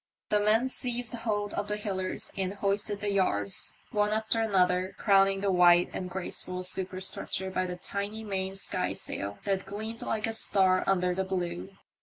The men seized hold of the halliards and hoisted the yards, one after another, crowning the white and graceful superstructure by the tiny main skysail, that gleamed like a star under the blue.